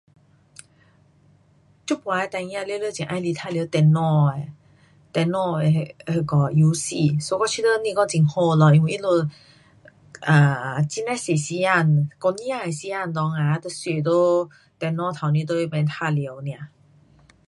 这次的孩儿全部很喜欢玩耍电脑的。电脑的那个游戏。so 我觉得不是讲很好咯。因为他们很呐多时间，整个天的时间啊都坐在电脑前面在那边玩耍 nia